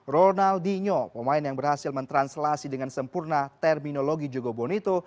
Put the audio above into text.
ronaldinho pemain yang berhasil mentranslasi dengan sempurna terminologi jogobonito